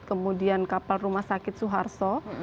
kemudian kapal rumah sakit suharto